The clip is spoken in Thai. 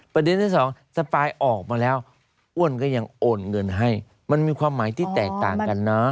ประเด็นที่สองสปายออกมาแล้วอ้วนก็ยังโอนเงินให้มันมีความหมายที่แตกต่างกันนะ